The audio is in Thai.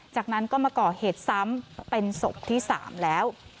จากนั้นก็มาก่อเหตุซ้ำเป็นศพที่๓แล้ว